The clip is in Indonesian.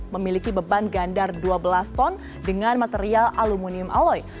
memiliki beban gandar dua belas ton dengan material aluminium aloy